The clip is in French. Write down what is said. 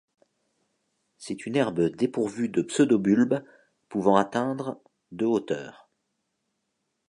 C'est une herbe dépourvue de pseudobulbe pouvant atteindre de hauteur.